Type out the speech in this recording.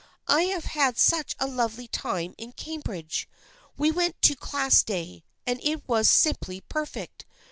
I have had such a lovely time in Cambridge. We went to Class Day and it was simply perfect.